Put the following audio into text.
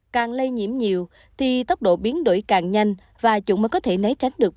càng lây nhiễm nhiều thì tốc độ biến đổi càng nhanh và chúng mới có thể né tránh được